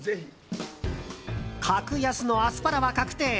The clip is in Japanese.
格安のアスパラは確定。